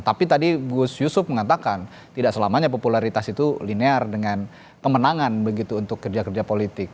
tapi tadi gus yusuf mengatakan tidak selamanya popularitas itu linear dengan kemenangan begitu untuk kerja kerja politik